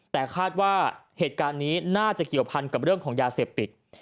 แต่คาดว่าเหตุการณ์นี้น่าจะเกี่ยวพันกับเรื่องของยาเสพติด